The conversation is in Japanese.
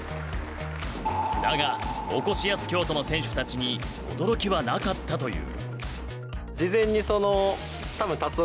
だがおこしやす京都の選手たちに驚きはなかったという。